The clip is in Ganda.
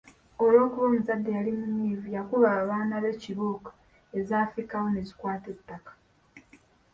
Olw’okuba omuzadde yali munyiivu, yakuba abaana be kibooko ezaafikkawo ne zikwata ettaka.